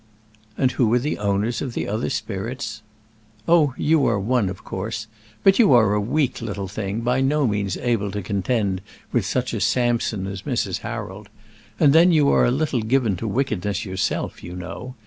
"And who are the owners of the other spirits?" "Oh! you are one, of course. But you are a weak little thing, by no means able to contend with such a Samson as Mrs. Harold. And then you are a little given to wickedness yourself, you know.